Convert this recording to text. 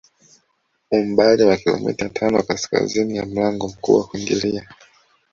Umbali wa kilomita tano kaskazini ya mlango mkuu wa kuingilia